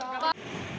terima kasih bapak